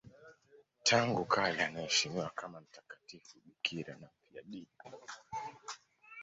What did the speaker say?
Tangu kale anaheshimiwa kama mtakatifu bikira na mfiadini.